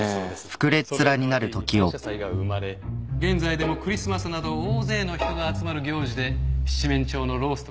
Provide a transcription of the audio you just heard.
それを皮切りに感謝祭が生まれ現在でもクリスマスなど大勢の人が集まる行事で七面鳥のロースト。